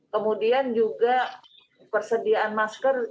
kemudian juga persediaan masker